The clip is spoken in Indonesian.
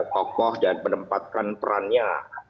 tokoh dan menempatkan perannya